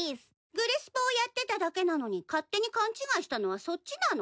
グレスポをやってただけなのに勝手に勘違いしたのはそっちなの。